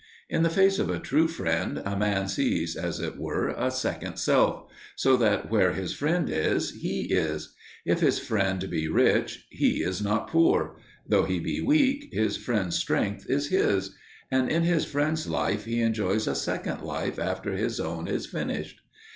In the face of a true friend a man sees as it were a second self. So that where his friend is he is; if his friend be rich, he is not poor; though he be weak, his friend's strength is his; and in his friend's life he enjoys a second life after his own is finished.